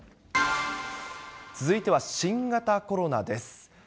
続いては新型コロナです。